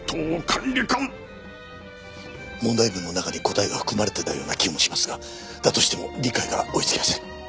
問題文の中に答えが含まれてたような気もしますがだとしても理解が追いつきません。